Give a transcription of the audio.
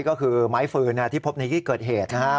ก็คือไม้ฟืนที่พบในที่เกิดเหตุนะครับ